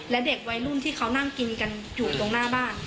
และเด็กวัยรุ่นที่เขานั่งกินกันอยู่ตรงหน้าบ้าน